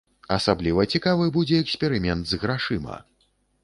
Асабліва цікавы будзе эксперымент з грашыма.